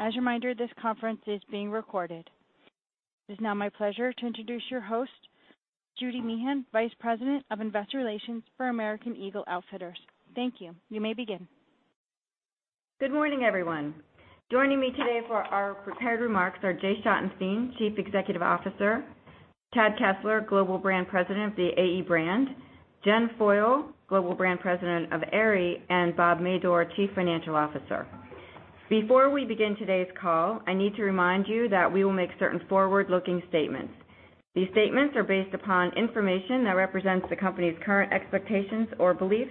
As a reminder, this conference is being recorded. It is now my pleasure to introduce your host, Judy Meehan, Vice President of Investor Relations for American Eagle Outfitters. Thank you. You may begin. Good morning, everyone. Joining me today for our prepared remarks are Jay Schottenstein, Chief Executive Officer, Chad Kessler, Global Brand President of the AE brand, Jennifer Foyle, Global Brand President of Aerie, and Robert Madore, Chief Financial Officer. Before we begin today's call, I need to remind you that we will make certain forward-looking statements. These statements are based upon information that represents the company's current expectations or beliefs.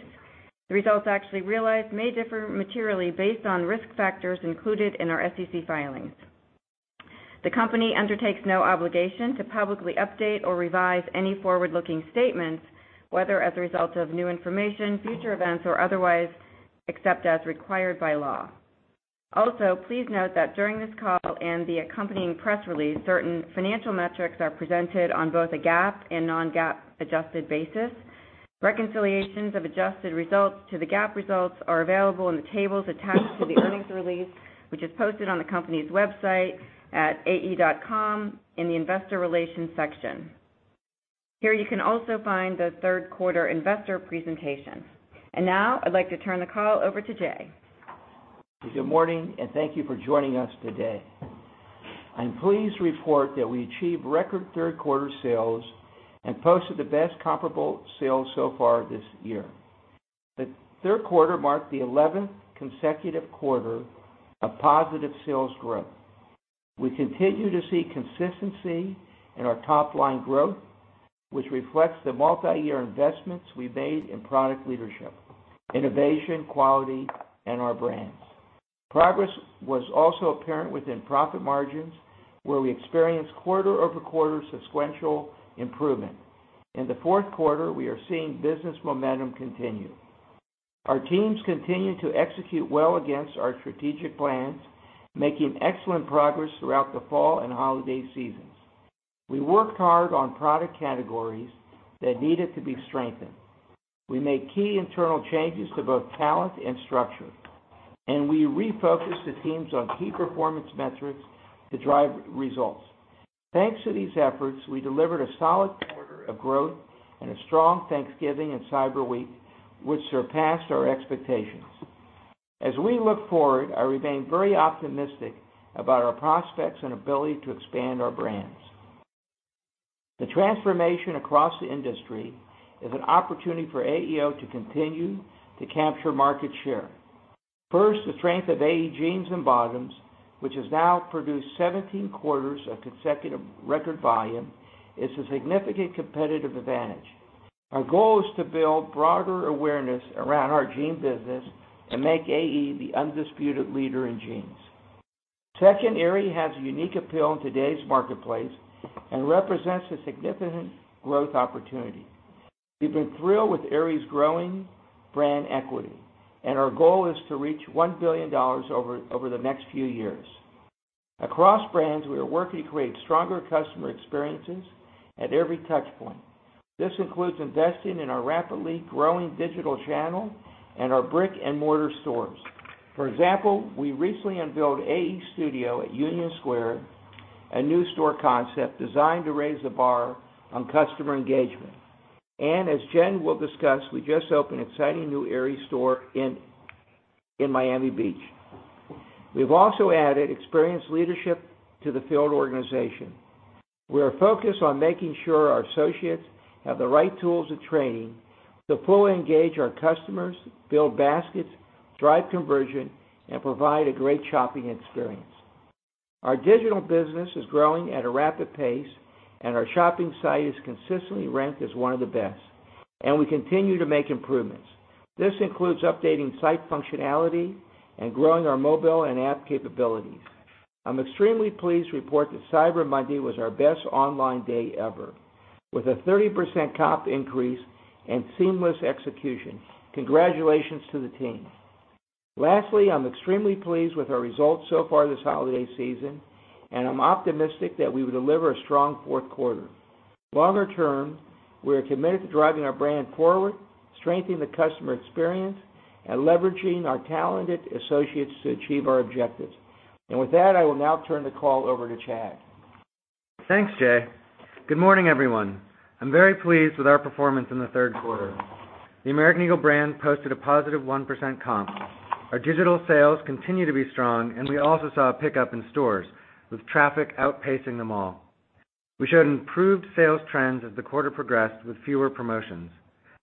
The results actually realized may differ materially based on risk factors included in our SEC filings. The company undertakes no obligation to publicly update or revise any forward-looking statements, whether as a result of new information, future events, or otherwise, except as required by law. Also, please note that during this call and the accompanying press release, certain financial metrics are presented on both a GAAP and non-GAAP adjusted basis. Reconciliations of adjusted results to the GAAP results are available in the tables attached to the earnings release, which is posted on the company's website at ae.com in the investor relations section. Here, you can also find the third quarter investor presentation. Now I'd like to turn the call over to Jay. Good morning. Thank you for joining us today. I'm pleased to report that we achieved record third-quarter sales and posted the best comparable sales so far this year. The third quarter marked the 11th consecutive quarter of positive sales growth. We continue to see consistency in our top-line growth, which reflects the multi-year investments we've made in product leadership, innovation, quality, and our brands. Progress was also apparent within profit margins, where we experienced quarter-over-quarter sequential improvement. In the fourth quarter, we are seeing business momentum continue. Our teams continue to execute well against our strategic plans, making excellent progress throughout the fall and holiday seasons. We worked hard on product categories that needed to be strengthened. We made key internal changes to both talent and structure, and we refocused the teams on key performance metrics to drive results. Thanks to these efforts, we delivered a solid quarter of growth and a strong Thanksgiving and Cyber Week, which surpassed our expectations. As we look forward, I remain very optimistic about our prospects and ability to expand our brands. The transformation across the industry is an opportunity for AEO to continue to capture market share. First, the strength of AE jeans and bottoms, which has now produced 17 quarters of consecutive record volume, is a significant competitive advantage. Our goal is to build broader awareness around our jean business and make AE the undisputed leader in jeans. Second, Aerie has a unique appeal in today's marketplace and represents a significant growth opportunity. We've been thrilled with Aerie's growing brand equity, and our goal is to reach $1 billion over the next few years. Across brands, we are working to create stronger customer experiences at every touch point. This includes investing in our rapidly growing digital channel and our brick-and-mortar stores. For example, we recently unveiled AE Studio at Union Square, a new store concept designed to raise the bar on customer engagement. As Jen will discuss, we just opened an exciting new Aerie store in Miami Beach. We've also added experienced leadership to the field organization. We are focused on making sure our associates have the right tools and training to fully engage our customers, build baskets, drive conversion, and provide a great shopping experience. Our digital business is growing at a rapid pace, our shopping site is consistently ranked as one of the best, and we continue to make improvements. This includes updating site functionality and growing our mobile and app capabilities. I'm extremely pleased to report that Cyber Monday was our best online day ever, with a 30% comp increase and seamless execution. Congratulations to the team. Lastly, I'm extremely pleased with our results so far this holiday season, and I'm optimistic that we will deliver a strong fourth quarter. Longer term, we are committed to driving our brand forward, strengthening the customer experience, and leveraging our talented associates to achieve our objectives. With that, I will now turn the call over to Chad. Thanks, Jay. Good morning, everyone. I'm very pleased with our performance in the third quarter. The American Eagle brand posted a positive 1% comp. Our digital sales continue to be strong, and we also saw a pickup in stores, with traffic outpacing them all. We showed improved sales trends as the quarter progressed with fewer promotions.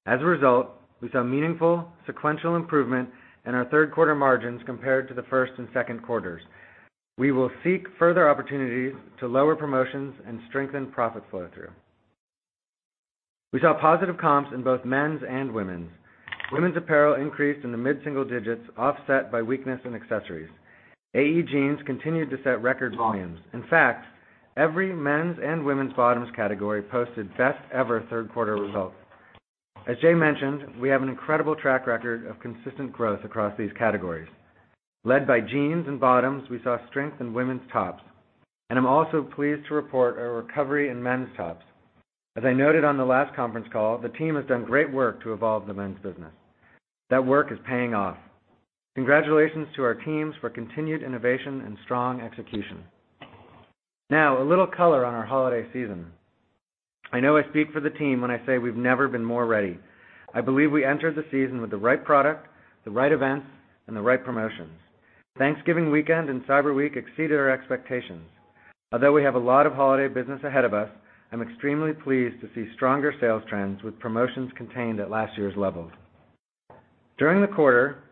As a result, we saw meaningful sequential improvement in our third-quarter margins compared to the first and second quarters. We will seek further opportunities to lower promotions and strengthen profit flow-through. We saw positive comps in both men's and women's. Women's apparel increased in the mid-single digits, offset by weakness in accessories. AE jeans continued to set record volumes. In fact, every men's and women's bottoms category posted the best-ever third-quarter results. As Jay mentioned, we have an incredible track record of consistent growth across these categories. Led by jeans and bottoms, we saw strength in women's tops. I'm also pleased to report a recovery in men's tops. As I noted on the last conference call, the team has done great work to evolve the men's business. That work is paying off. Congratulations to our teams for continued innovation and strong execution. A little color on our holiday season. I know I speak for the team when I say we've never been more ready. I believe we entered the season with the right product, the right events, and the right promotions. Thanksgiving weekend and Cyber Week exceeded our expectations. Although we have a lot of holiday business ahead of us, I'm extremely pleased to see stronger sales trends with promotions contained at last year's levels. During the quarter,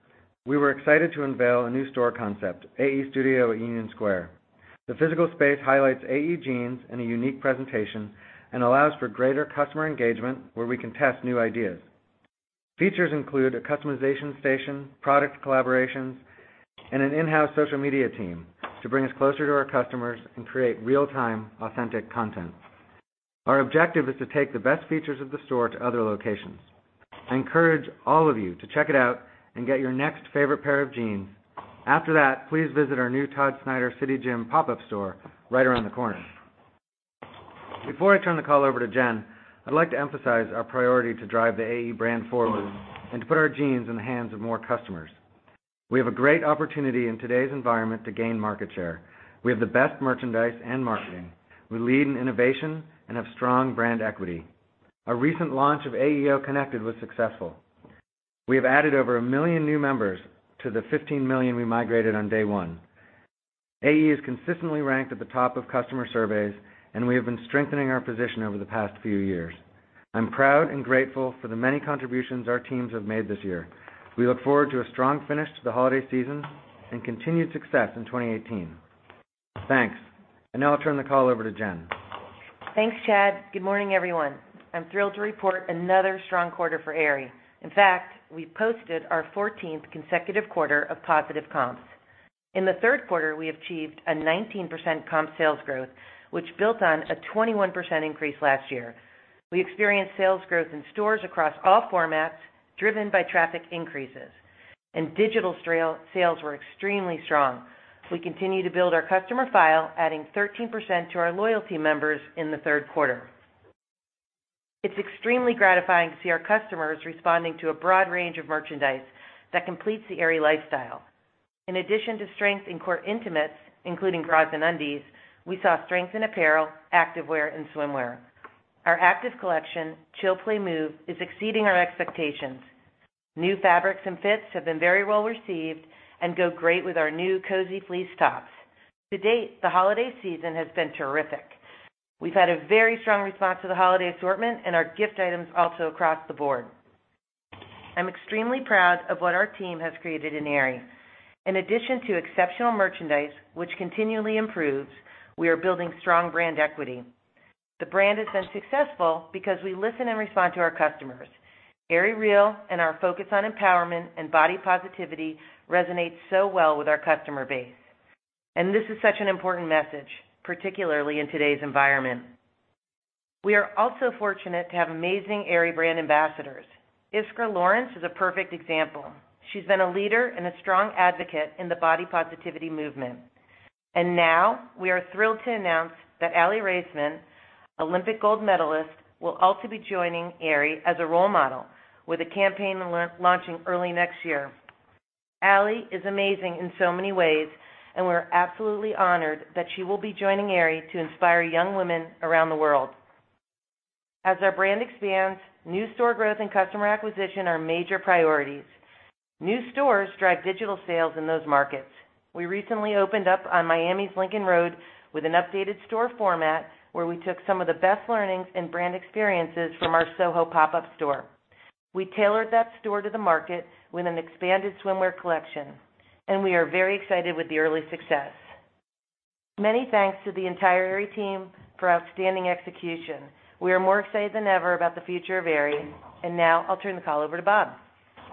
we were excited to unveil a new store concept, AE Studio at Union Square. The physical space highlights AE jeans in a unique presentation and allows for greater customer engagement where we can test new ideas. Features include a customization station, product collaborations, and an in-house social media team to bring us closer to our customers and create real-time authentic content. Our objective is to take the best features of the store to other locations. I encourage all of you to check it out and get your next favorite pair of jeans. After that, please visit our new Todd Snyder City Gym pop-up store right around the corner. Before I turn the call over to Jen, I'd like to emphasize our priority to drive the AE brand forward and to put our jeans in the hands of more customers. We have a great opportunity in today's environment to gain market share. We have the best merchandise and marketing. We lead in innovation and have strong brand equity. Our recent launch of AEO Connected was successful. We have added over $1 million new members to the $15 million we migrated on day one. AE is consistently ranked at the top of customer surveys, and we have been strengthening our position over the past few years. I'm proud and grateful for the many contributions our teams have made this year. We look forward to a strong finish to the holiday season and continued success in 2018. Thanks. Now I'll turn the call over to Jen. Thanks, Chad. Good morning, everyone. I'm thrilled to report another strong quarter for Aerie. In fact, we posted our 14th consecutive quarter of positive comps. In the third quarter, we achieved a 19% comp sales growth, which built on a 21% increase last year. We experienced sales growth in stores across all formats, driven by traffic increases. Digital sales were extremely strong. We continue to build our customer file, adding 13% to our loyalty members in the third quarter. It's extremely gratifying to see our customers responding to a broad range of merchandise that completes the Aerie lifestyle. In addition to strength in core intimates, including bras and undies, we saw strength in apparel, activewear, and swimwear. Our active collection, Chill Play Move, is exceeding our expectations. New fabrics and fits have been very well received and go great with our new cozy fleece tops. To date, the holiday season has been terrific. We've had a very strong response to the holiday assortment and our gift items also across the board. I'm extremely proud of what our team has created in Aerie. In addition to exceptional merchandise, which continually improves, we are building strong brand equity. The brand has been successful because we listen and respond to our customers. #AerieREAL and our focus on empowerment and body positivity resonates so well with our customer base, and this is such an important message, particularly in today's environment. We are also fortunate to have amazing Aerie brand ambassadors. Iskra Lawrence is a perfect example. She's been a leader and a strong advocate in the body positivity movement. Now we are thrilled to announce that Aly Raisman, Olympic gold medalist, will also be joining Aerie as a role model with a campaign launching early next year. Aly is amazing in so many ways. We're absolutely honored that she will be joining Aerie to inspire young women around the world. As our brand expands, new store growth and customer acquisition are major priorities. New stores drive digital sales in those markets. We recently opened up on Miami's Lincoln Road with an updated store format where we took some of the best learnings and brand experiences from our Soho pop-up store. We tailored that store to the market with an expanded swimwear collection. We are very excited with the early success. Many thanks to the entire Aerie team for outstanding execution. We are more excited than ever about the future of Aerie. Now I'll turn the call over to Bob.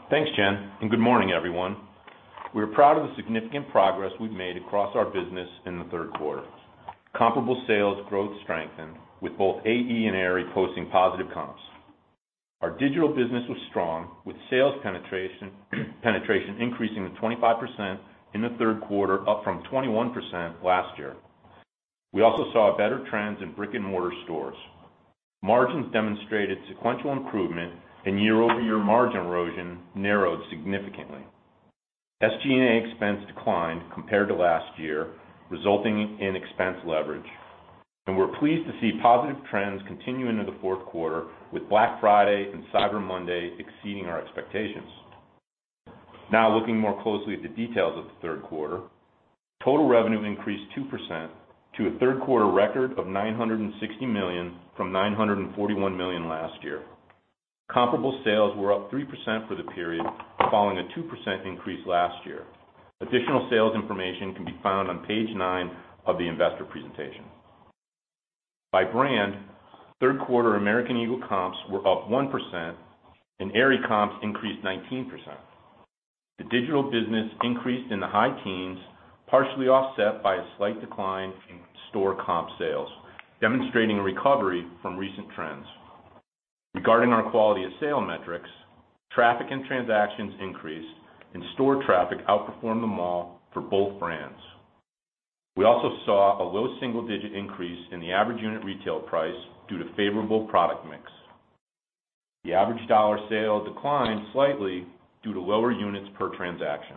Thanks, Jen. Good morning, everyone. We are proud of the significant progress we've made across our business in the third quarter. Comparable sales growth strengthened with both AE and Aerie posting positive comps. Our digital business was strong with sales penetration increasing to 25% in the third quarter, up from 21% last year. We also saw better trends in brick-and-mortar stores. Margins demonstrated sequential improvement and year-over-year margin erosion narrowed significantly. SG&A expense declined compared to last year, resulting in expense leverage. We're pleased to see positive trends continue into the fourth quarter with Black Friday and Cyber Monday exceeding our expectations. Looking more closely at the details of the third quarter. Total revenue increased 2% to a third quarter record of $960 million from $941 million last year. Comparable sales were up 3% for the period, following a 2% increase last year. Additional sales information can be found on page nine of the investor presentation. By brand, third quarter American Eagle comps were up 1% and Aerie comps increased 19%. The digital business increased in the high teens, partially offset by a slight decline in store comp sales, demonstrating a recovery from recent trends. Regarding our quality of sale metrics, traffic and transactions increased. Store traffic outperformed the mall for both brands. We also saw a low single-digit increase in the average unit retail price due to favorable product mix. The average dollar sale declined slightly due to lower units per transaction.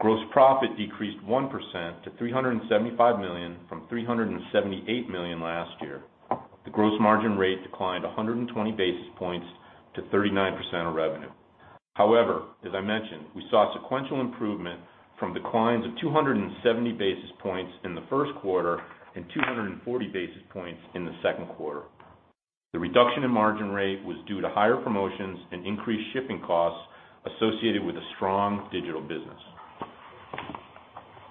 Gross profit decreased 1% to $375 million from $378 million last year. The gross margin rate declined 120 basis points to 39% of revenue. However, as I mentioned, we saw sequential improvement from declines of 270 basis points in the first quarter and 240 basis points in the second quarter. The reduction in margin rate was due to higher promotions and increased shipping costs associated with a strong digital business.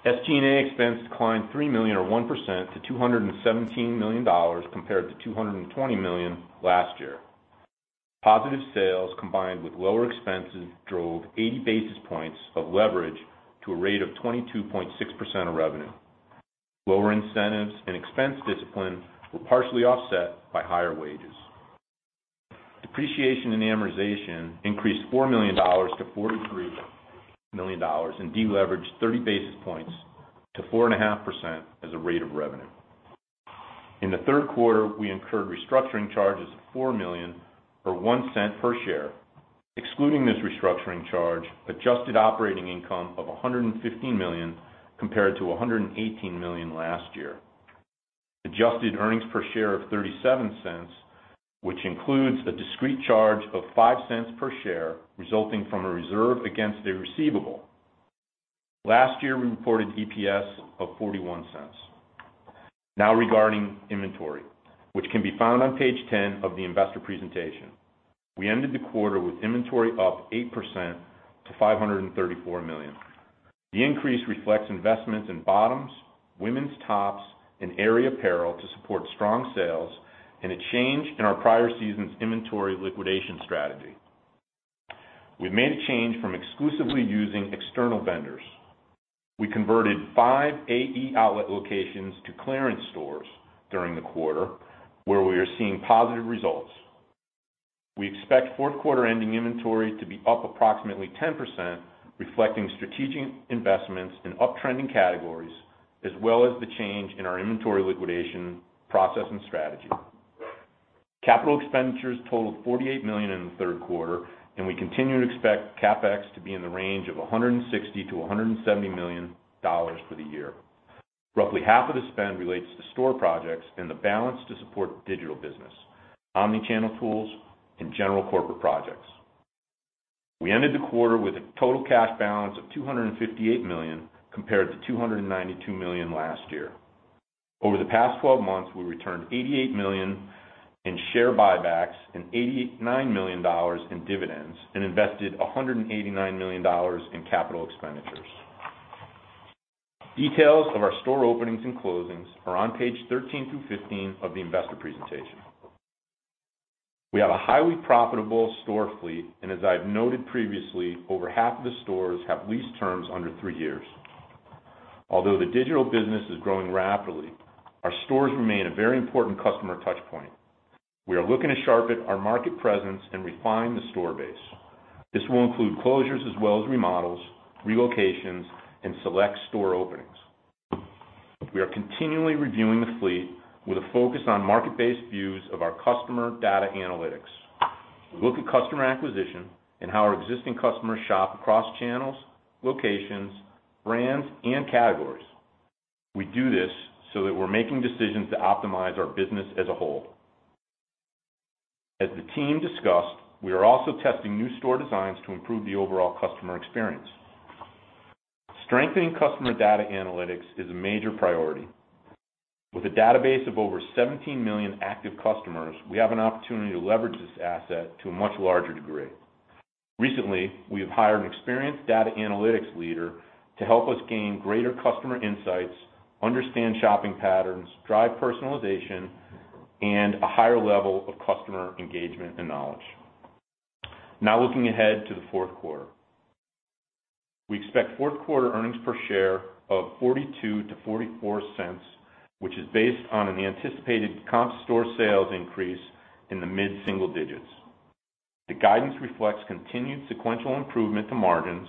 SG&A expense declined $3 million or 1% to $217 million compared to $220 million last year. Positive sales combined with lower expenses drove 80 basis points of leverage to a rate of 22.6% of revenue. Lower incentives and expense discipline were partially offset by higher wages. Depreciation and amortization increased $4 million to $43 million, and de-leveraged 30 basis points to 4.5% as a rate of revenue. In the third quarter, we incurred restructuring charges of $4 million or $0.01 per share. Excluding this restructuring charge, adjusted operating income of $115 million compared to $118 million last year. Adjusted earnings per share of $0.37, which includes a discrete charge of $0.05 per share resulting from a reserve against a receivable. Last year, we reported EPS of $0.41. Now regarding inventory, which can be found on page 10 of the investor presentation. We ended the quarter with inventory up 8% to $534 million. The increase reflects investments in bottoms, women's tops, and Aerie apparel to support strong sales and a change in our prior season's inventory liquidation strategy. We made a change from exclusively using external vendors. We converted five AE outlet locations to clearance stores during the quarter where we are seeing positive results. We expect fourth quarter ending inventory to be up approximately 10%, reflecting strategic investments in up-trending categories as well as the change in our inventory liquidation process and strategy. Capital expenditures totaled $48 million in the third quarter, and we continue to expect CapEx to be in the range of $160 million-$170 million for the year. Roughly half of the spend relates to store projects and the balance to support digital business, omni-channel tools and general corporate projects. We ended the quarter with a total cash balance of $258 million compared to $292 million last year. Over the past 12 months, we returned $88 million in share buybacks and $89 million in dividends and invested $189 million in capital expenditures. Details of our store openings and closings are on page 13 through 15 of the investor presentation. We have a highly profitable store fleet, and as I've noted previously, over half of the stores have lease terms under three years. Although the digital business is growing rapidly, our stores remain a very important customer touch point. We are looking to sharpen our market presence and refine the store base. This will include closures as well as remodels, relocations, and select store openings. We are continually reviewing the fleet with a focus on market-based views of our customer data analytics. We look at customer acquisition and how our existing customers shop across channels, locations, brands, and categories. We do this so that we're making decisions to optimize our business as a whole. As the team discussed, we are also testing new store designs to improve the overall customer experience. Strengthening customer data analytics is a major priority. With a database of over 17 million active customers, we have an opportunity to leverage this asset to a much larger degree. Recently, we have hired an experienced data analytics leader to help us gain greater customer insights, understand shopping patterns, drive personalization, and a higher level of customer engagement and knowledge. Looking ahead to the fourth quarter. We expect fourth quarter earnings per share of $0.42-$0.44, which is based on an anticipated comp store sales increase in the mid-single digits. The guidance reflects continued sequential improvement to margins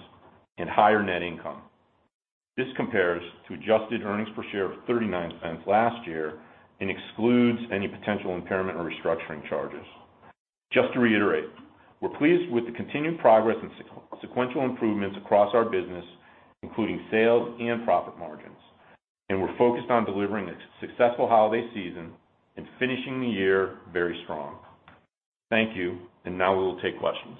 and higher net income. This compares to adjusted earnings per share of $0.39 last year and excludes any potential impairment or restructuring charges. Just to reiterate, we're pleased with the continued progress and sequential improvements across our business, including sales and profit margins. We're focused on delivering a successful holiday season and finishing the year very strong. Thank you. Now we will take questions.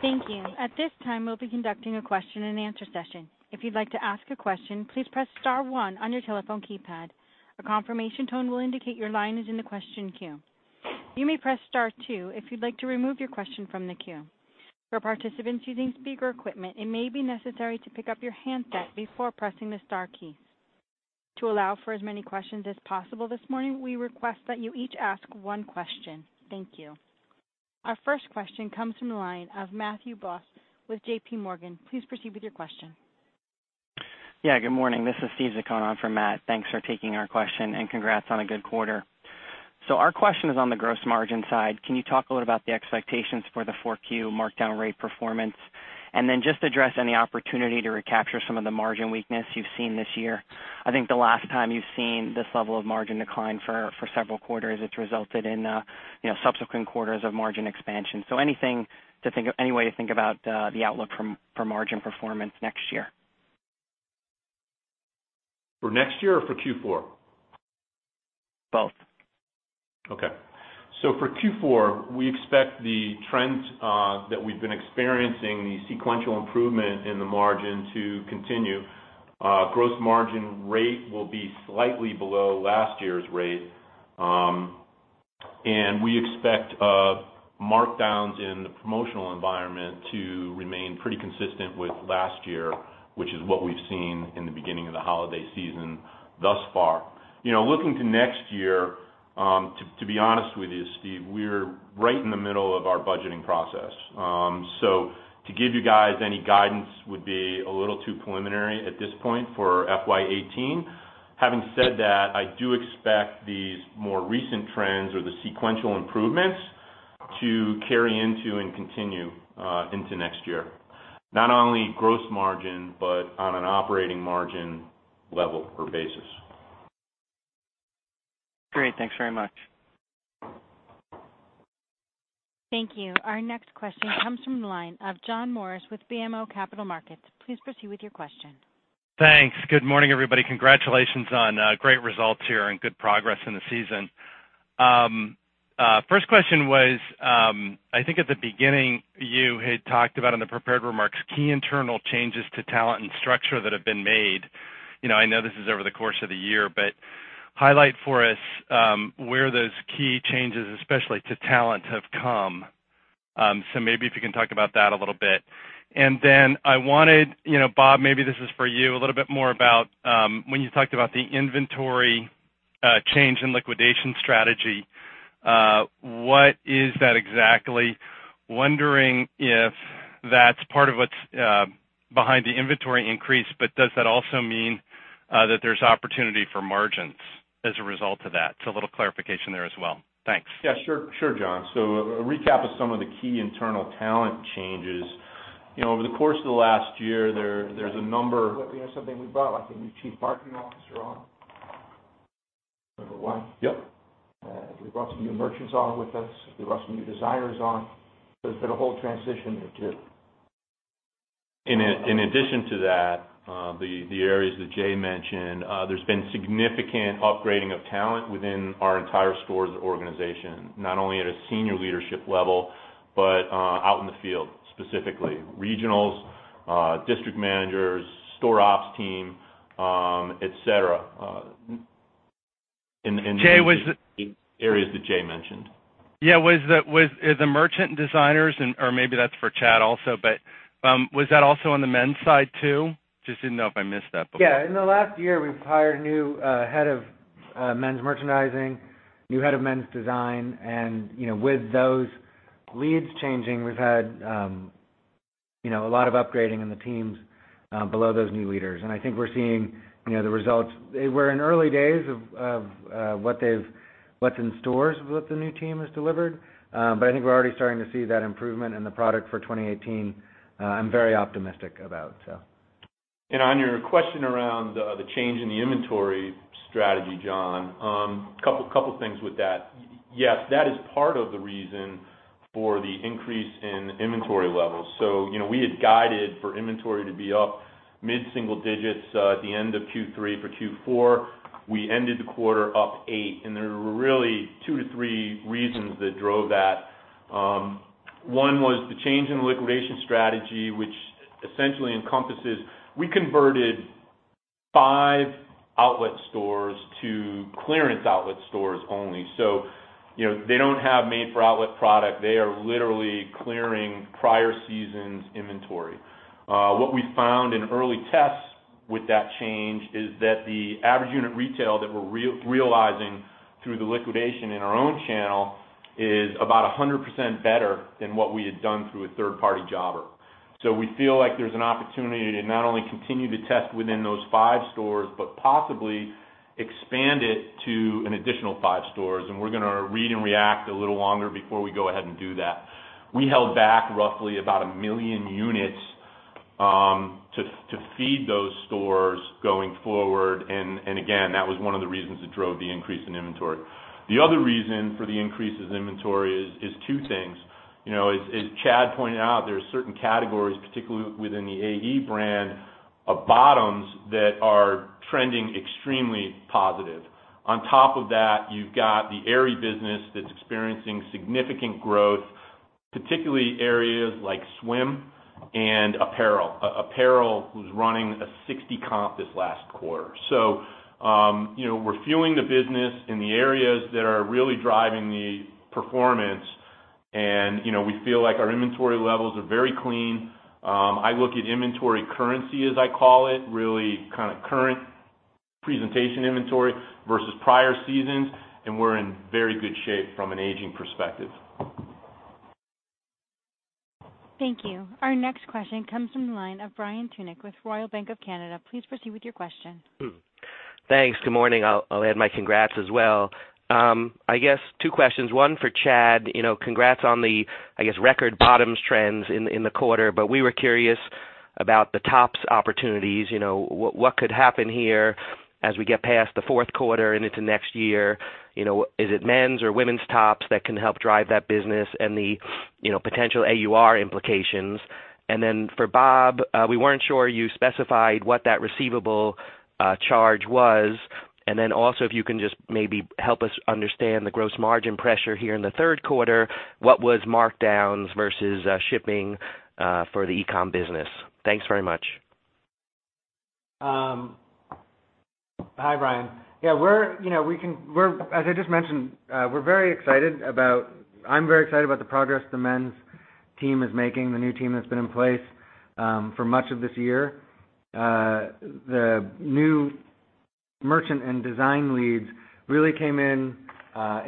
Thank you. At this time, we'll be conducting a question and answer session. If you'd like to ask a question, please press *1 on your telephone keypad. A confirmation tone will indicate your line is in the question queue. You may press *2 if you'd like to remove your question from the queue. For participants using speaker equipment, it may be necessary to pick up your handset before pressing the star keys. To allow for as many questions as possible this morning, we request that you each ask one question. Thank you. Our first question comes from the line of Matthew Boss with JPMorgan. Please proceed with your question. Good morning. This is Steve Zaccone for Matt. Thanks for taking our question. Congrats on a good quarter. Our question is on the gross margin side. Can you talk a little about the expectations for the 4Q markdown rate performance? Just address any opportunity to recapture some of the margin weakness you've seen this year. I think the last time you've seen this level of margin decline for several quarters, it's resulted in subsequent quarters of margin expansion. Any way to think about the outlook for margin performance next year? For next year or for Q4? Both. Okay. For Q4, we expect the trends that we've been experiencing, the sequential improvement in the margin to continue. Gross margin rate will be slightly below last year's rate. We expect markdowns in the promotional environment to remain pretty consistent with last year, which is what we've seen in the beginning of the Holiday season thus far. Looking to next year, to be honest with you, Steve, we're right in the middle of our budgeting process. To give you guys any guidance would be a little too preliminary at this point for FY 2018. Having said that, I do expect these more recent trends or the sequential improvements to carry into and continue into next year. Not only gross margin, but on an operating margin level or basis. Great. Thanks very much. Thank you. Our next question comes from the line of John Morris with BMO Capital Markets. Please proceed with your question. Thanks. Good morning, everybody. Congratulations on great results here and good progress in the season. First question was, I think at the beginning, you had talked about in the prepared remarks, key internal changes to talent and structure that have been made. I know this is over the course of the year, but highlight for us where those key changes, especially to talent, have come. Maybe if you can talk about that a little bit. I wanted, Bob, maybe this is for you, a little bit more about when you talked about the inventory change in liquidation strategy. What is that exactly? Wondering if that's part of what's behind the inventory increase, but does that also mean that there's opportunity for margins as a result of that? A little clarification there as well. Thanks. Yeah, sure, John. A recap of some of the key internal talent changes. Over the course of the last year, there's a number- Something we brought, like the new chief marketing officer on. Number one. Yep. We brought some new merchants on with us. We brought some new designers on. There's been a whole transition there, too. In addition to that, the areas that Jay mentioned, there's been significant upgrading of talent within our entire stores organization. Not only at a senior leadership level, but out in the field, specifically regionals, district managers, store ops team, et cetera. Jay, was the. Areas that Jay mentioned. Yeah. The merchant designers, or maybe that's for Chad also, was that also on the men's side, too? Just didn't know if I missed that. Yeah. In the last year, we've hired a new head of men's merchandising, new head of men's design, with those leads changing, we've had a lot of upgrading in the teams below those new leaders. I think we're seeing the results. We're in early days of what's in stores with the new team has delivered. I think we're already starting to see that improvement in the product for 2018. I'm very optimistic about. On your question around the change in the inventory strategy, John, couple things with that. Yes, that is part of the reason for the increase in inventory levels. We had guided for inventory to be up mid-single digits at the end of Q3. For Q4, we ended the quarter up eight, and there were really two to three reasons that drove that. One was the change in liquidation strategy, which essentially encompasses, we converted five outlet stores to clearance outlet stores only. They don't have made-for-outlet product. They are literally clearing prior season's inventory. What we found in early tests with that change is that the average unit retail that we're realizing through the liquidation in our own channel is about 100% better than what we had done through a third-party jobber. We feel like there's an opportunity to not only continue to test within those five stores, but possibly expand it to an additional five stores, and we're going to read and react a little longer before we go ahead and do that. We held back roughly about 1 million units to feed those stores going forward, and again, that was one of the reasons that drove the increase in inventory. The other reason for the increase of inventory is two things. As Chad pointed out, there are certain categories, particularly within the AE brand, of bottoms that are trending extremely positive. On top of that, you've got the Aerie business that's experiencing significant growth, particularly areas like swim and apparel. Apparel was running a 60 comp this last quarter. We're fueling the business in the areas that are really driving the performance, and we feel like our inventory levels are very clean. I look at inventory currency, as I call it, really current presentation inventory versus prior seasons, and we're in very good shape from an aging perspective. Thank you. Our next question comes from the line of Brian Tunick with Royal Bank of Canada. Please proceed with your question. Thanks. Good morning. I'll add my congrats as well. I guess two questions, one for Chad. Congrats on the, I guess, record bottoms trends in the quarter, but we were curious about the tops opportunities. What could happen here as we get past the fourth quarter and into next year? Is it men's or women's tops that can help drive that business and the potential AUR implications? Then for Bob, we weren't sure you specified what that receivable charge was. Also, if you can just maybe help us understand the gross margin pressure here in the third quarter, what was markdowns versus shipping for the e-com business. Thanks very much. Hi, Brian. As I just mentioned, I'm very excited about the progress the men's team is making, the new team that's been in place for much of this year. The new merchant and design leads really came in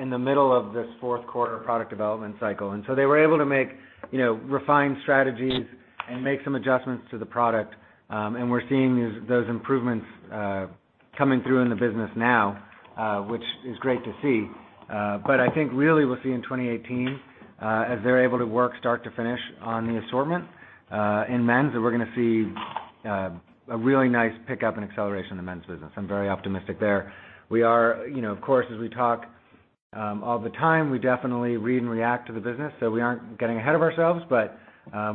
in the middle of this fourth quarter product development cycle, they were able to refine strategies and make some adjustments to the product. We're seeing those improvements coming through in the business now, which is great to see. I think really we'll see in 2018, as they're able to work start to finish on the assortment in men's, that we're going to see a really nice pickup and acceleration in the men's business. I'm very optimistic there. Of course, as we talk all the time, we definitely read and react to the business, we aren't getting ahead of ourselves.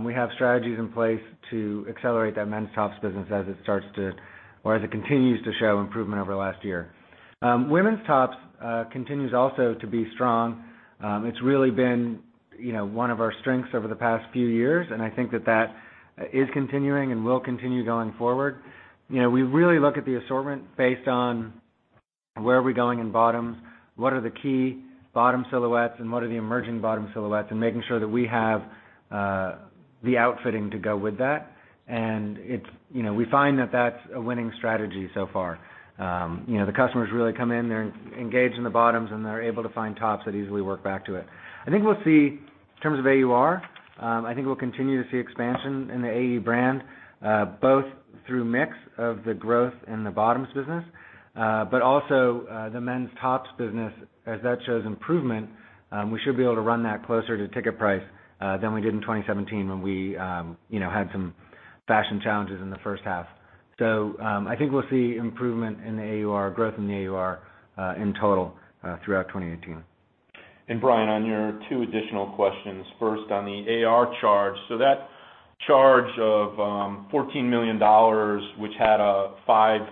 We have strategies in place to accelerate that men's tops business as it continues to show improvement over last year. Women's tops continues also to be strong. It's really been one of our strengths over the past few years, and I think that that is continuing and will continue going forward. We really look at the assortment based on where are we going in bottoms, what are the key bottom silhouettes, and what are the emerging bottom silhouettes, and making sure that we have the outfitting to go with that. We find that that's a winning strategy so far. The customers really come in, they're engaged in the bottoms, and they're able to find tops that easily work back to it. In terms of AUR, I think we'll continue to see expansion in the AE brand both through mix of the growth in the bottoms business. Also the men's tops business, as that shows improvement, we should be able to run that closer to ticket price than we did in 2017 when we had some fashion challenges in the first half. I think we'll see improvement in the AUR, growth in the AUR in total throughout 2018. Brian, on your two additional questions. First, on the AR charge. That charge of $14 million, which had a $0.05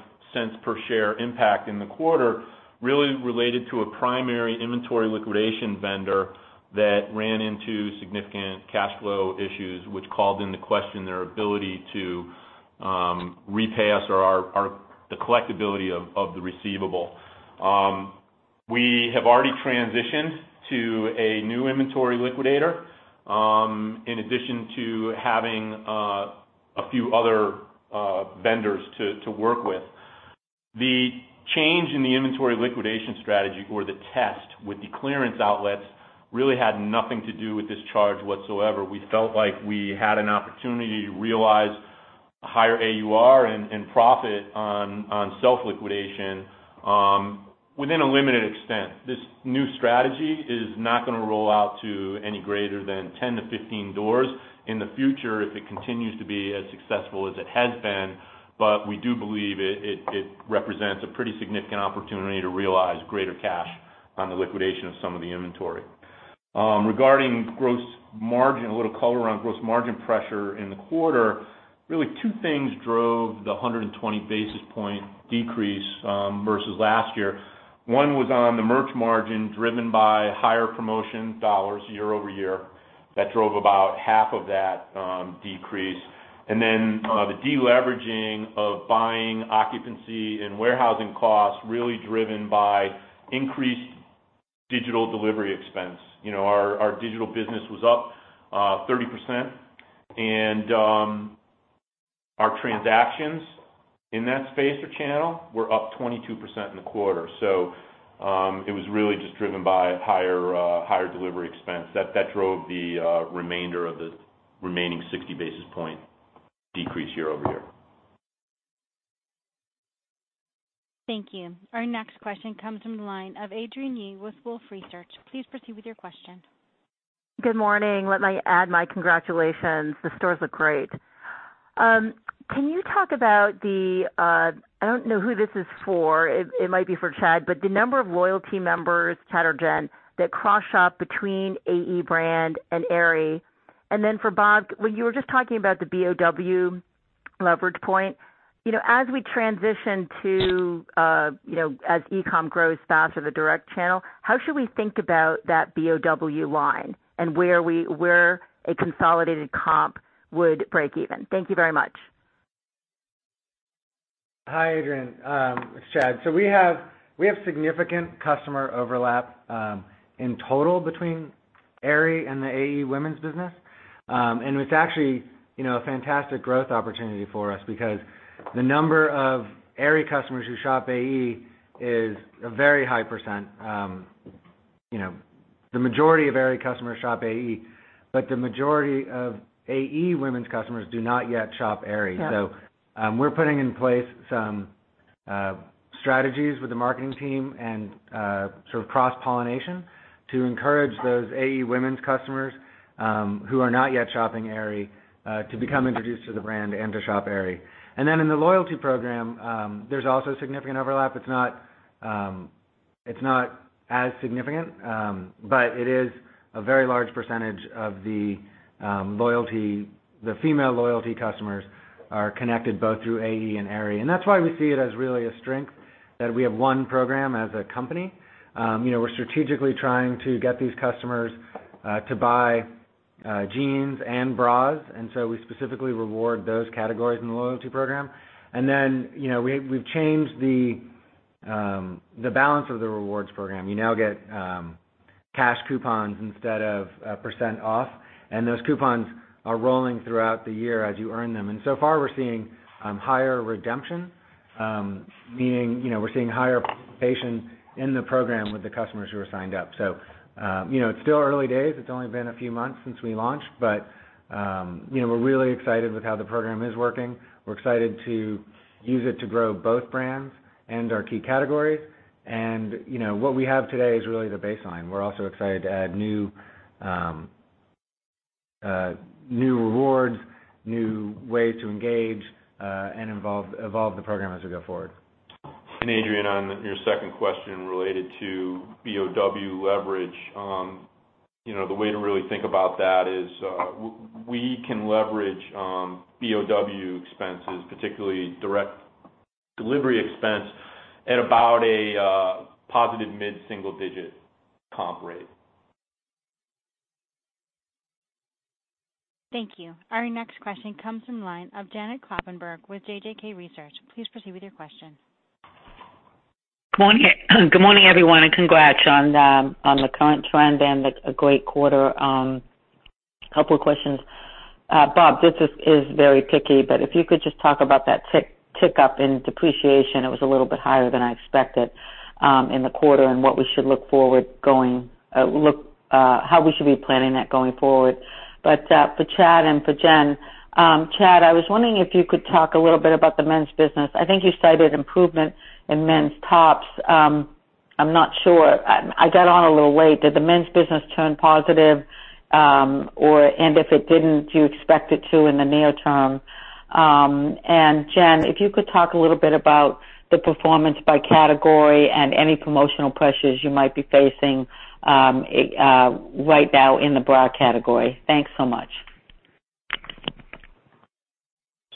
per share impact in the quarter, really related to a primary inventory liquidation vendor that ran into significant cash flow issues, which called into question their ability to repay us or the collectibility of the receivable. We have already transitioned to a new inventory liquidator, in addition to having a few other vendors to work with. The change in the inventory liquidation strategy or the test with the clearance outlets really had nothing to do with this charge whatsoever. We felt like we had an opportunity to realize higher AUR and profit on self-liquidation within a limited extent. This new strategy is not going to roll out to any greater than 10 to 15 doors in the future if it continues to be as successful as it has been. We do believe it represents a pretty significant opportunity to realize greater cash on the liquidation of some of the inventory. Regarding gross margin, a little color on gross margin pressure in the quarter, really two things drove the 120 basis point decrease versus last year. One was on the merch margin, driven by higher promotion dollars year-over-year. That drove about half of that decrease. The deleveraging of buying occupancy and warehousing costs really driven by increased digital delivery expense. Our digital business was up 30%, and our transactions in that space or channel were up 22% in the quarter. It was really just driven by higher delivery expense. That drove the remainder of the remaining 60 basis point decrease year-over-year. Thank you. Our next question comes from the line of Adrienne Yih with Wolfe Research. Please proceed with your question. Good morning. Let me add my congratulations. The stores look great. Can you talk about the I don't know who this is for. It might be for Chad, but the number of loyalty members, Chad or Jen, that cross shop between AE brand and Aerie. Then for Bob, when you were just talking about the BOW leverage point. As e-com grows faster, the direct channel, how should we think about that BOW line and where a consolidated comp would break even? Thank you very much. Hi, Adrienne. It's Chad. We have significant customer overlap in total between Aerie and the AE women's business. It's actually a fantastic growth opportunity for us because the number of Aerie customers who shop AE is a very high %. The majority of Aerie customers shop AE, the majority of AE women's customers do not yet shop Aerie. Yeah. We're putting in place some strategies with the marketing team and sort of cross-pollination to encourage those AE women's customers who are not yet shopping Aerie to become introduced to the brand and to shop Aerie. In the loyalty program, there's also significant overlap. It's not as significant. It is a very large percentage of the female loyalty customers are connected both through AE and Aerie. That's why we see it as really a strength that we have one program as a company. We're strategically trying to get these customers to buy jeans and bras, we specifically reward those categories in the loyalty program. We've changed the balance of the rewards program. You now get cash coupons instead of a % off, and those coupons are rolling throughout the year as you earn them. So far, we're seeing higher redemption, meaning we're seeing higher participation in the program with the customers who are signed up. It's still early days. It's only been a few months since we launched, we're really excited with how the program is working. We're excited to use it to grow both brands and our key categories. What we have today is really the baseline. We're also excited to add new rewards, new ways to engage, and evolve the program as we go forward. Adrienne, on your second question related to BOW leverage. The way to really think about that is we can leverage BOW expenses, particularly direct delivery expense, at about a positive mid-single-digit comp rate. Thank you. Our next question comes from the line of Janet Kloppenburg with JJK Research. Please proceed with your question. Good morning, everyone, and congrats on the current trend and a great quarter. A couple of questions. Bob, this is very picky, if you could just talk about that tick up in depreciation. It was a little bit higher than I expected in the quarter, and what we should look forward, how we should be planning that going forward. For Chad and for Jen. Chad, I was wondering if you could talk a little bit about the men's business. I think you cited improvement in men's tops. I'm not sure. I got on a little late. Did the men's business turn positive? If it didn't, do you expect it to in the near term? Jen, if you could talk a little bit about the performance by category and any promotional pressures you might be facing right now in the bra category. Thanks so much.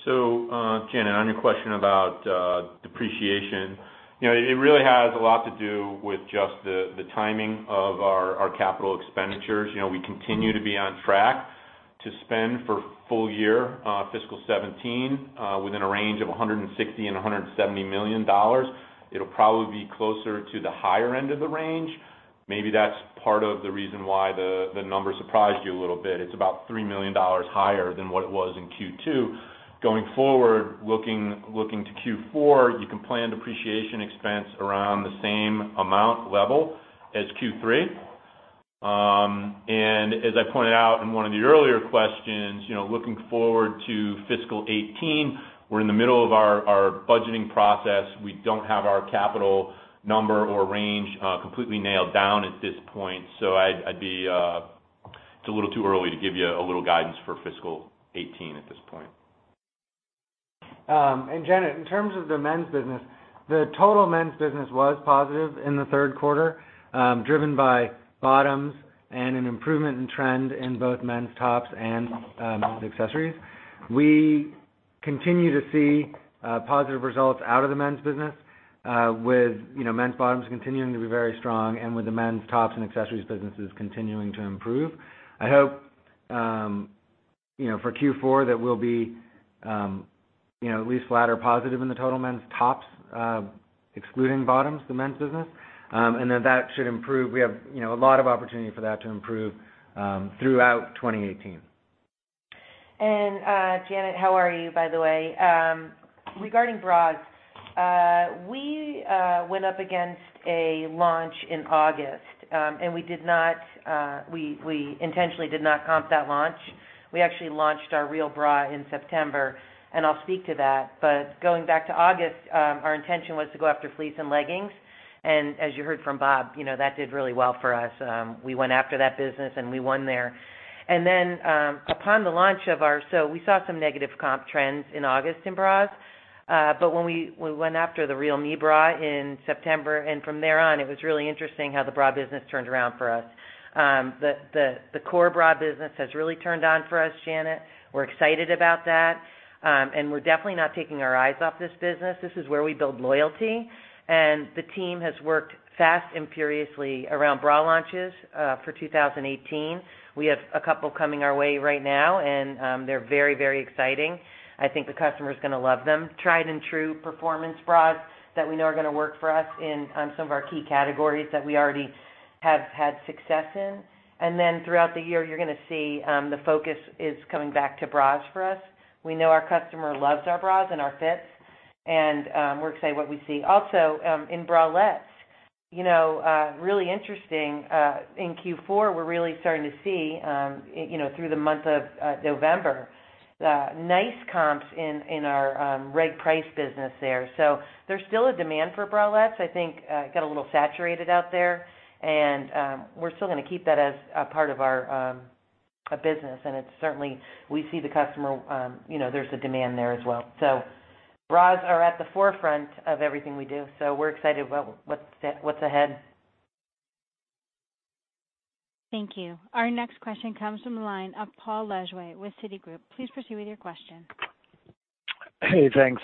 Janet Kloppenburg, on your question about depreciation. It really has a lot to do with just the timing of our capital expenditures. We continue to be on track to spend for full year fiscal 2017 within a range of $160 million-$170 million. It'll probably be closer to the higher end of the range. Maybe that's part of the reason why the number surprised you a little bit. It's about $3 million higher than what it was in Q2. Going forward, looking to Q4, you can plan depreciation expense around the same amount level as Q3. As I pointed out in one of the earlier questions, looking forward to fiscal 2018, we're in the middle of our budgeting process. We don't have our capital number or range completely nailed down at this point. It's a little too early to give you a little guidance for fiscal 2018 at this point. Janet Kloppenburg, in terms of the men's business, the total men's business was positive in the third quarter, driven by bottoms and an improvement in trend in both men's tops and accessories. We continue to see positive results out of the men's business with men's bottoms continuing to be very strong and with the men's tops and accessories businesses continuing to improve. I hope for Q4 that we'll be at least flat or positive in the total men's tops, excluding bottoms, the men's business. That should improve. We have a lot of opportunity for that to improve throughout 2018. Janet, how are you, by the way? Regarding bras. We went up against a launch in August. We intentionally did not comp that launch. We actually launched our Real Bra in September. I'll speak to that. Going back to August, our intention was to go after fleece and leggings. As you heard from Bob, that did really well for us. We went after that business. We won there. Upon the launch of our, we saw some negative comp trends in August in bras. When we went after the Real Me Bra in September from there on, it was really interesting how the bra business turned around for us. The core bra business has really turned on for us, Janet. We're excited about that. We're definitely not taking our eyes off this business. This is where we build loyalty. The team has worked fast and furiously around bra launches for 2018. We have a couple coming our way right now. They're very exciting. I think the customer's going to love them. Tried and true performance bras that we know are going to work for us in some of our key categories that we already have had success in. Throughout the year, you're going to see the focus is coming back to bras for us. We know our customer loves our bras and our fits. We're excited what we see also in bralettes. Really interesting, in Q4, we're really starting to see, through the month of November, nice comps in our reg price business there. There's still a demand for bralettes. I think it got a little saturated out there. We're still going to keep that as a part of our business. We see the customer, there's a demand there as well. Bras are at the forefront of everything we do. We're excited about what's ahead. Thank you. Our next question comes from the line of Paul Lejuez with Citigroup. Please proceed with your question. Hey, thanks.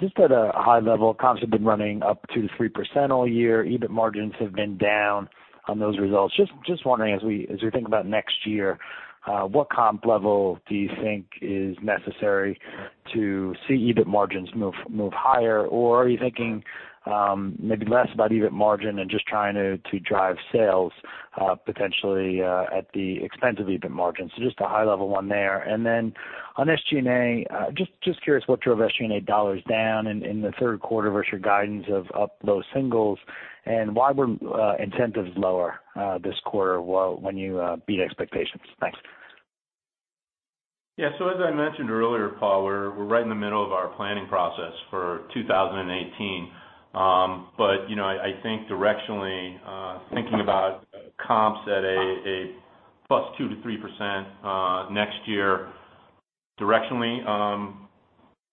Just at a high level, comps have been running up 2% to 3% all year. EBIT margins have been down on those results. Just wondering, as we think about next year, what comp level do you think is necessary to see EBIT margins move higher? Are you thinking maybe less about EBIT margin and just trying to drive sales potentially at the expense of EBIT margins? Just a high level one there. On SG&A, just curious what drove SG&A dollars down in the third quarter versus your guidance of up low singles, and why were incentives lower this quarter when you beat expectations? Thanks. Yeah. As I mentioned earlier, Paul, we're right in the middle of our planning process for 2018. I think directionally, thinking about comps at a +2% to 3% next year, directionally,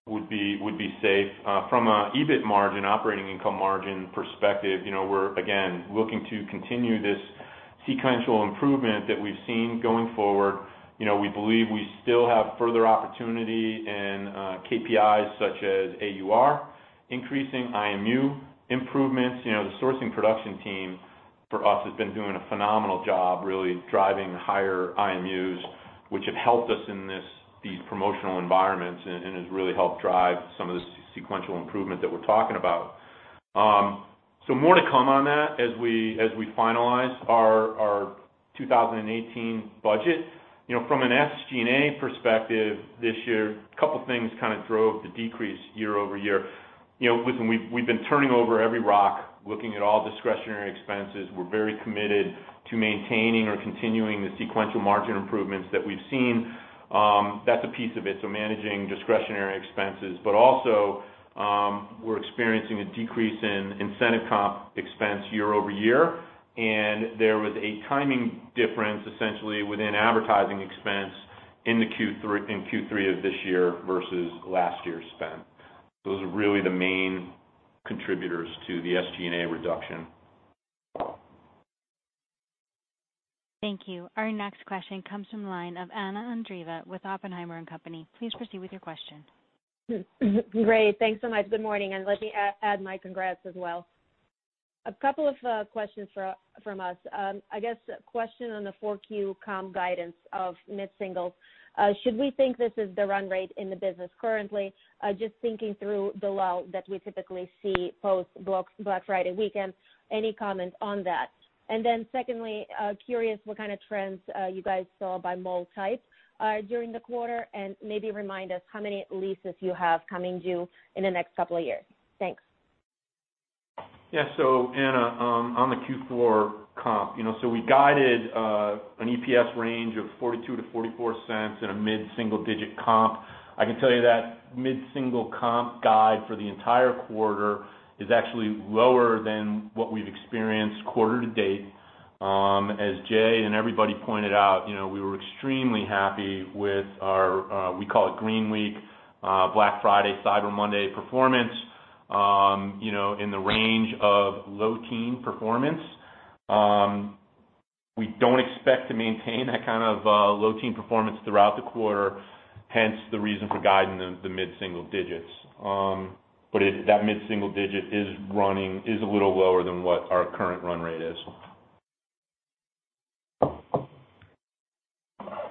would be safe. From an EBIT margin, operating income margin perspective, we're, again, looking to continue this sequential improvement that we've seen going forward. We believe we still have further opportunity in KPIs such as AUR increasing, IMU improvements. The sourcing production team for us has been doing a phenomenal job, really driving higher IMUs, which have helped us in these promotional environments and has really helped drive some of the sequential improvement that we're talking about. More to come on that as we finalize our 2018 budget. From an SG&A perspective this year, a couple of things drove the decrease year-over-year. Listen, we've been turning over every rock, looking at all discretionary expenses. We're very committed to maintaining or continuing the sequential margin improvements that we've seen. That's a piece of it. Managing discretionary expenses. Also, we're experiencing a decrease in incentive comp expense year-over-year, and there was a timing difference essentially within advertising expense in Q3 of this year versus last year's spend. Those are really the main contributors to the SG&A reduction. Thank you. Our next question comes from the line of Anna Andreeva with Oppenheimer and Company. Please proceed with your question. Great. Thanks so much. Good morning. Let me add my congrats as well. A couple of questions from us. I guess a question on the 4Q comp guidance of mid-singles. Should we think this is the run rate in the business currently? Just thinking through the lull that we typically see post Black Friday weekend. Any comments on that? Secondly, curious what kind of trends you guys saw by mall types during the quarter, and maybe remind us how many leases you have coming due in the next couple of years. Thanks. Yeah. Anna, on the Q4 comp. We guided an EPS range of $0.42-$0.44 and a mid-single digit comp. I can tell you that mid-single comp guide for the entire quarter is actually lower than what we've experienced quarter to date. As Jay and everybody pointed out, we were extremely happy with our, we call it Green Week, Black Friday, Cyber Monday performance, in the range of low-teen performance. We don't expect to maintain that kind of low-teen performance throughout the quarter, hence the reason for guiding the mid-single digits. That mid-single digit is a little lower than what our current run rate is.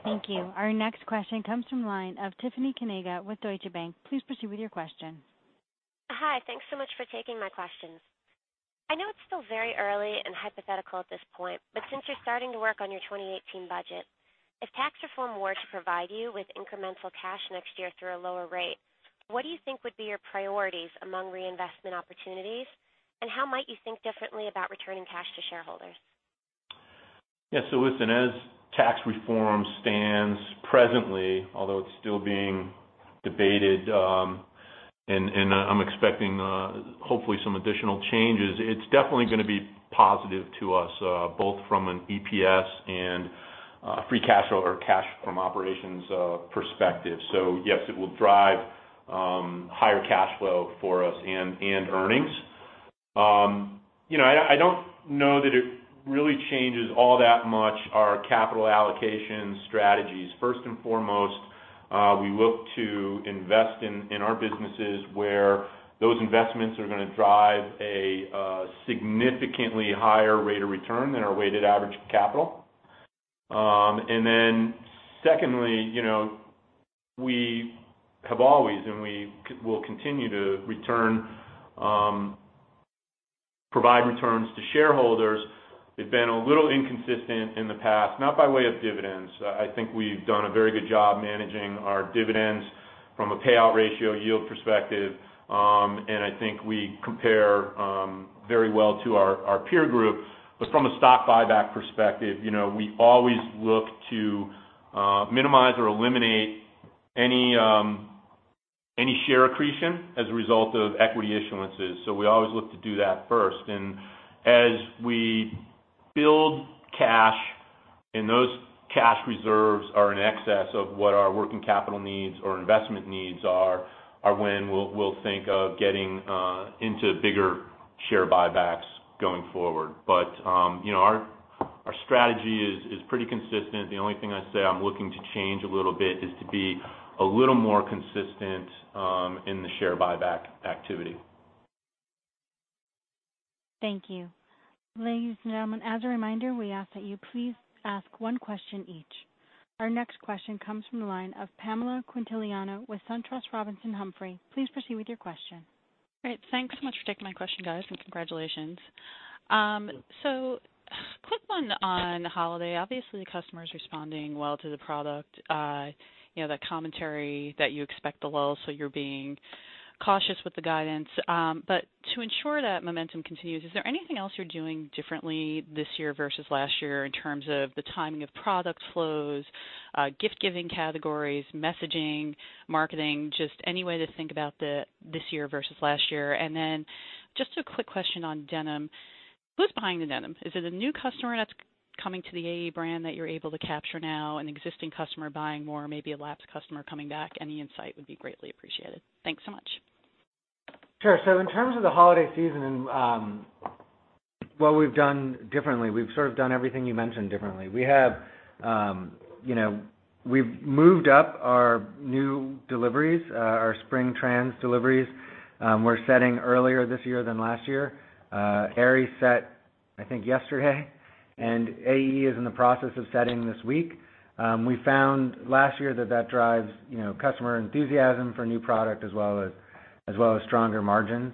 Thank you. Our next question comes from the line of Tiffany Kanaga with Deutsche Bank. Please proceed with your question. Hi. Thanks so much for taking my questions. I know it's still very early and hypothetical at this point. Since you're starting to work on your 2018 budget, if tax reform were to provide you with incremental cash next year through a lower rate, what do you think would be your priorities among reinvestment opportunities, and how might you think differently about returning cash to shareholders? Yes. Listen, as tax reform stands presently, although it's still being debated, and I'm expecting, hopefully, some additional changes, it's definitely going to be positive to us, both from an EPS and free cash flow or cash from operations perspective. Yes, it will drive higher cash flow for us and earnings. I don't know that it really changes all that much our capital allocation strategies. First and foremost, we look to invest in our businesses where those investments are going to drive a significantly higher rate of return than our weighted average capital. Then secondly, we have always, and we will continue to provide returns to shareholders. We've been a little inconsistent in the past, not by way of dividends. I think we've done a very good job managing our dividends from a payout ratio yield perspective. I think we compare very well to our peer group. From a stock buyback perspective, we always look to minimize or eliminate any share accretion as a result of equity issuances. We always look to do that first. As we build cash, and those cash reserves are in excess of what our working capital needs or investment needs are, when we'll think of getting into bigger share buybacks going forward. Our strategy is pretty consistent. The only thing I'd say I'm looking to change a little bit is to be a little more consistent in the share buyback activity. Thank you. Ladies and gentlemen, as a reminder, we ask that you please ask one question each. Our next question comes from the line of Pamela Quintiliano with SunTrust Robinson Humphrey. Please proceed with your question. Great. Thanks so much for taking my question, guys, and congratulations. A quick one on holiday. Obviously, the customer is responding well to the product. That commentary that you expect the lull, so you're being cautious with the guidance. To ensure that momentum continues, is there anything else you're doing differently this year versus last year in terms of the timing of product flows, gift-giving categories, messaging, marketing, just any way to think about this year versus last year? Then just a quick question on denim. Who's buying the denim? Is it a new customer that's coming to the AE brand that you're able to capture now, an existing customer buying more, or maybe a lapsed customer coming back? Any insight would be greatly appreciated. Thanks so much. Sure. In terms of the holiday season and what we've done differently, we've sort of done everything you mentioned differently. We've moved up our new deliveries, our spring trends deliveries. We're setting earlier this year than last year. Aerie set, I think, yesterday, and AE is in the process of setting this week. We found last year that that drives customer enthusiasm for new product, as well as stronger margins.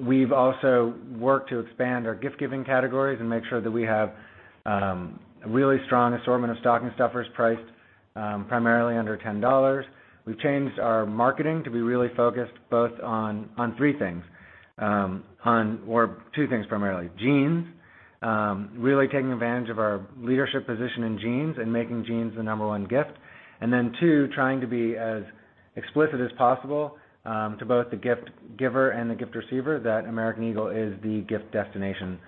We've also worked to expand our gift-giving categories and make sure that we have a really strong assortment of stocking stuffers priced primarily under $10. We've changed our marketing to be really focused both on three things, or two things primarily. Jeans, really taking advantage of our leadership position in jeans and making jeans the number one gift. Then two, trying to be as explicit as possible to both the gift giver and the gift receiver that American Eagle is the gift destination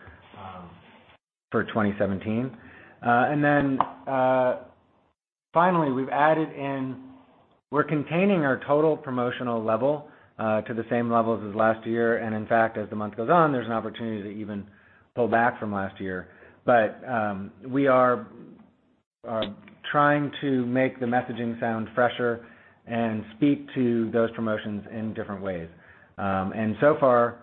for 2017. Then finally, we're containing our total promotional level to the same levels as last year. In fact, as the month goes on, there's an opportunity to even pull back from last year. We are trying to make the messaging sound fresher and speak to those promotions in different ways. So far,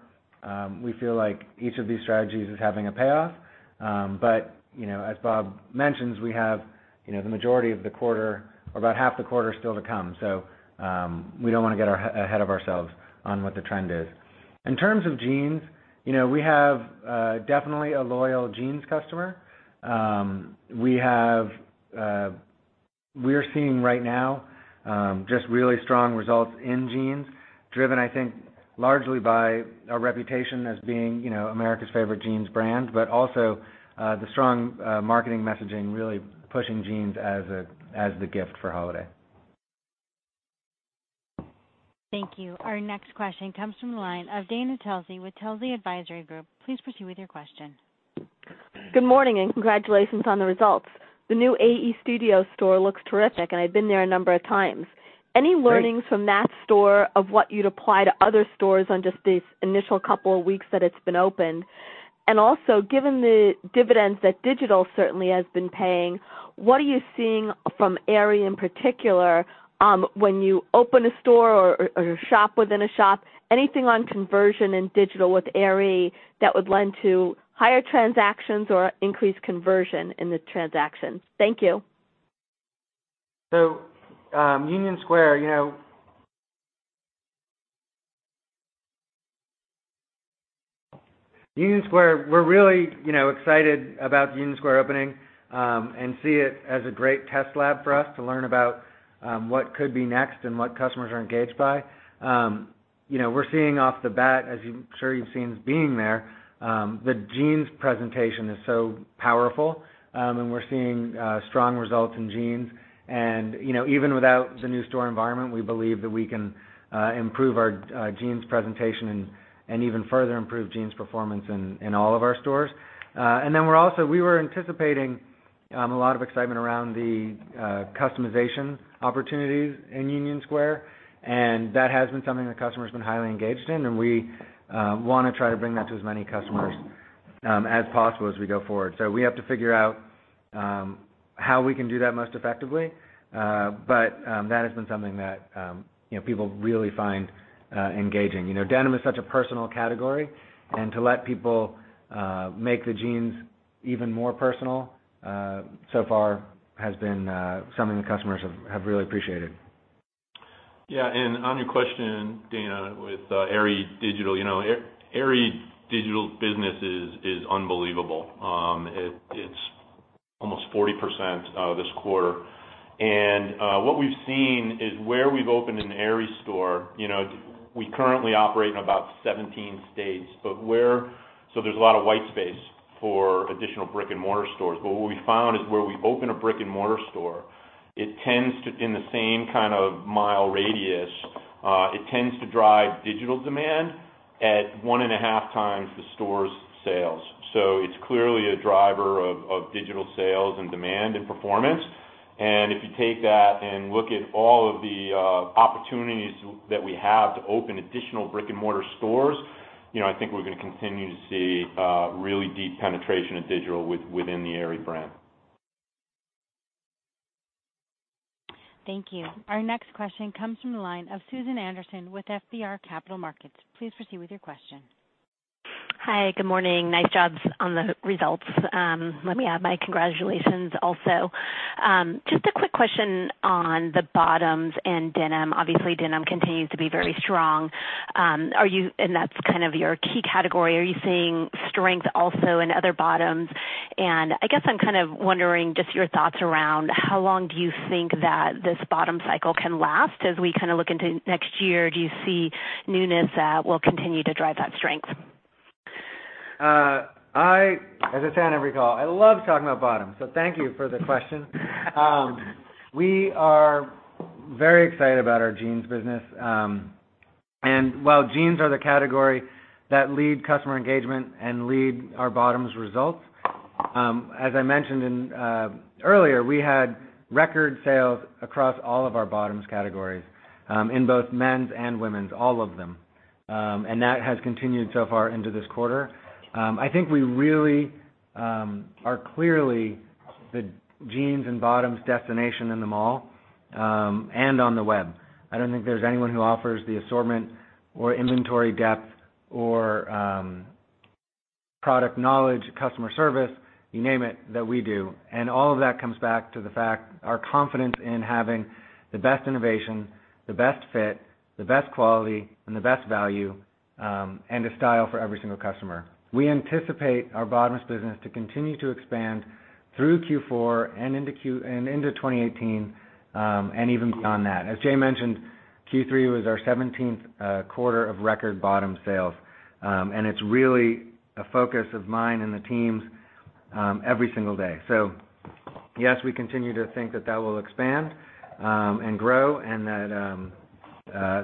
we feel like each of these strategies is having a payoff. As Bob mentions, we have the majority of the quarter or about half the quarter still to come. We don't want to get ahead of ourselves on what the trend is. In terms of jeans, we have definitely a loyal jeans customer. We're seeing right now just really strong results in jeans, driven, I think largely by our reputation as being America's favorite jeans brand, but also the strong marketing messaging really pushing jeans as the gift for holiday. Thank you. Our next question comes from the line of Dana Telsey with Telsey Advisory Group. Please proceed with your question. Good morning, congratulations on the results. The new AE Studio store looks terrific, and I've been there a number of times. Great. Any learnings from that store of what you'd apply to other stores on just the initial couple of weeks that it's been opened? Also, given the dividends that digital certainly has been paying, what are you seeing from Aerie in particular when you open a store or a shop within a shop? Anything on conversion in digital with Aerie that would lend to higher transactions or increased conversion in the transaction? Thank you. Union Square. We're really excited about the Union Square opening and see it as a great test lab for us to learn about what could be next and what customers are engaged by. We're seeing off the bat, as I'm sure you've seen being there, the jeans presentation is so powerful, and we're seeing strong results in jeans. Even without the new store environment, we believe that we can improve our jeans presentation and even further improve jeans performance in all of our stores. We were anticipating a lot of excitement around the customization opportunities in Union Square, and that has been something that customers have been highly engaged in, and we want to try to bring that to as many customers as possible as we go forward. We have to figure out how we can do that most effectively. That has been something that people really find engaging. Denim is such a personal category, and to let people make the jeans even more personal so far has been something the customers have really appreciated. Yeah. On your question, Dana, with Aerie digital, Aerie digital business is unbelievable. It's almost 40% this quarter. What we've seen is where we've opened an Aerie store, we currently operate in about 17 states. There's a lot of white space for additional brick-and-mortar stores. What we found is where we open a brick-and-mortar store, in the same mile radius, it tends to drive digital demand at one and a half times the store's sales. It's clearly a driver of digital sales and demand and performance. If you take that and look at all of the opportunities that we have to open additional brick-and-mortar stores, I think we're going to continue to see really deep penetration of digital within the Aerie brand. Thank you. Our next question comes from the line of Susan Anderson with FBR Capital Markets. Please proceed with your question. Hi. Good morning. Nice jobs on the results. Let me add my congratulations also. Just a quick question on the bottoms and denim. Obviously, denim continues to be very strong. That's your key category. Are you seeing strength also in other bottoms? I guess I'm wondering just your thoughts around how long do you think that this bottom cycle can last as we look into next year. Do you see newness that will continue to drive that strength? As I say on every call, I love talking about bottoms. Thank you for the question. We are very excited about our jeans business. While jeans are the category that lead customer engagement and lead our bottoms results, as I mentioned earlier, we had record sales across all of our bottoms categories, in both men's and women's, all of them. That has continued so far into this quarter. I think we really are clearly the jeans and bottoms destination in the mall, and on the web. I don't think there's anyone who offers the assortment or inventory depth or product knowledge, customer service, you name it, that we do. All of that comes back to our confidence in having the best innovation, the best fit, the best quality, and the best value, and a style for every single customer. We anticipate our bottoms business to continue to expand through Q4 and into 2018, and even beyond that. As Jay mentioned, Q3 was our 17th quarter of record bottom sales. It's really a focus of mine and the teams every single day. Yes, we continue to think that that will expand and grow and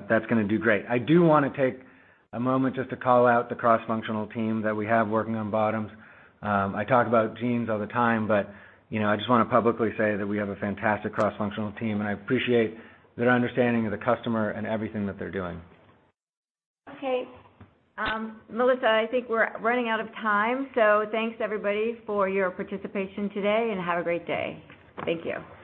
that's going to do great. I do want to take a moment just to call out the cross-functional team that we have working on bottoms. I talk about jeans all the time, but I just want to publicly say that we have a fantastic cross-functional team, and I appreciate their understanding of the customer and everything that they're doing. Okay. Melissa, I think we're running out of time, thanks everybody for your participation today, and have a great day. Thank you.